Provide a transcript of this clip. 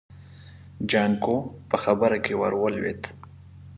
جانکو په خبره کې ور ولوېد.